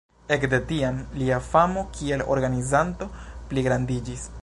Ekde tiam, lia famo kiel organizanto pligrandiĝis.